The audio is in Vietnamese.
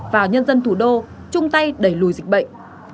và nhân dân thủ đô chung tay đẩy lùi dịch bệnh